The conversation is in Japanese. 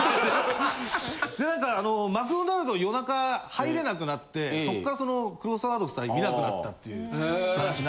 で何かマクドナルド夜中入れなくなってそっからそのクロスワード夫妻見なくなったっていう話に。